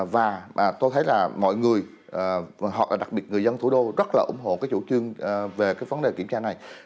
và tôi thấy là mọi người đặc biệt người dân thủ đô rất là ủng hộ cái chủ trương về cái vấn đề kiểm tra này